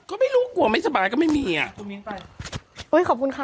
ก็ไม่รู้กลัวไม่สบายก็ไม่มีอ่ะ